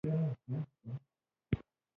د پرمختګ لپاره د ځینو تابوګانو ماتول اړین دي.